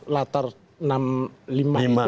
latar enam puluh lima itu